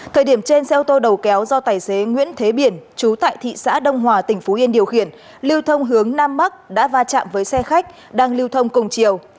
thời điểm trên xe ô tô đầu kéo do tài xế nguyễn thế biển chú tại thị xã đông hòa tỉnh phú yên điều khiển lưu thông hướng nam bắc đã va chạm với xe khách đang lưu thông cùng chiều